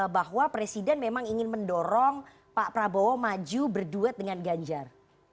bahwa presiden memang ingin mendorong pak prabowo maju berduet dengan ganjar